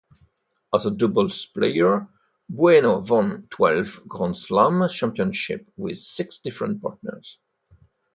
As a doubles player, Bueno won twelve Grand Slam championships with six different partners.